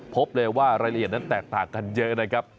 พบเลยว่ารายละเอียดนั้นแตกต่างกันเยอะนะครับ